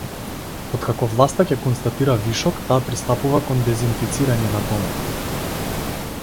Откако власта ќе констатира вишок, таа пристапува кон дезинфицирање на домот.